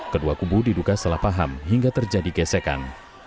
kedua kubu diduga salah paham hingga terjadi gesekan